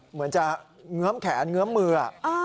เหมือนจะเงื้อมแขนเงื้อมมือ